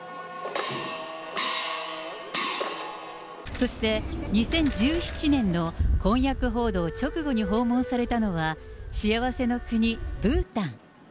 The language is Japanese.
そして２０１７年の婚約報道直後に訪問されたのは、幸せの国、ブータン。